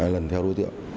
lần theo đối tượng